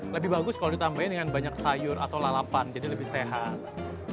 lebih bagus kalau ditambahin dengan banyak sayur atau lalapan jadi lebih sehat